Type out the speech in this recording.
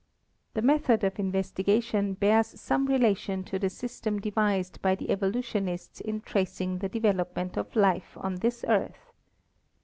The method of investigation bears some relation to the system devised by the evolutionists in tracing the develop ment of life on this Earth.